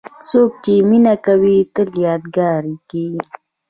څوک چې مینه کوي، تل یادګاري کېږي.